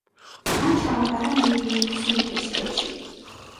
მან ჩააბარა მერილენდის უნივერსიტეტში.